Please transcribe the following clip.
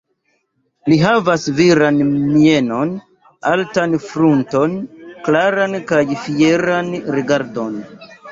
Li havas viran mienon, altan frunton, klaran kaj fieran rigardon.